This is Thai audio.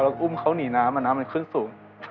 อุ้มเขาหนีน้ำน้ำมันขึ้นสูง